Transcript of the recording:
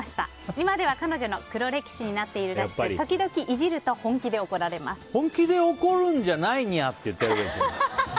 今では彼女の黒歴史になっているらしく、時々いじると本気で怒るんじゃないにゃって言ってほしいですね。